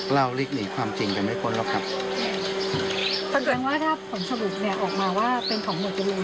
เล่าลิกหนีความจริงก็ไม่พ้นหรอกครับถ้าเกิดว่าถ้าผมสรุปเนี่ยออกมาว่าเป็นของหน่วยจริง